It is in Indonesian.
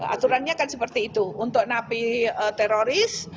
aturannya kan seperti itu untuk napi teroris